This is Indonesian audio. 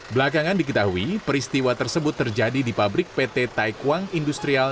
belakangan diketahui peristiwa tersebut terjadi di pabrik pt taekwang industrial